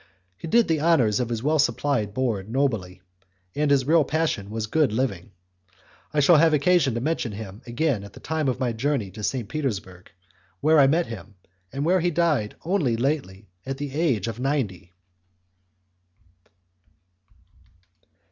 He did the honours of his well supplied board nobly, and his real passion was good living. I shall have occasion to mention him again at the time of my journey to St. Petersburg, where I met him, and where he died only lately at the age of ninety.